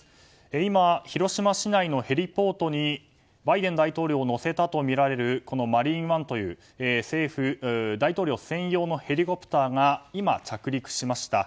今、広島市内のヘリポートにバイデン大統領を乗せたとみられる「マリーンワン」という大統領専用のヘリコプターが今、着陸しました。